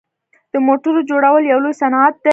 د موټرو جوړول یو لوی صنعت دی.